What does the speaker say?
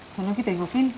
senang lagi tengokin